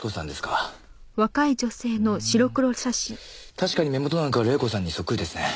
確かに目元なんかは黎子さんにそっくりですね。